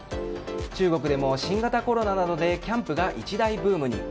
中国でも新型コロナなどでキャンプが一大ブームに。